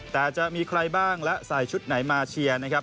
แต่จะมีใครบ้างและใส่ชุดไหนมาเชียร์นะครับ